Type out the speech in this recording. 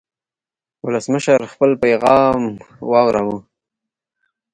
ولسمشر خپل پیغام واوراوه.